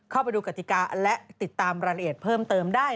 เข้าไปดูกติกาและติดตามรายละเอียดเพิ่มเติมได้